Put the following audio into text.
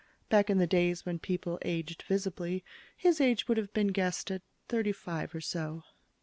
Back in the days when people aged visibly, his age would have been guessed at thirty five or so.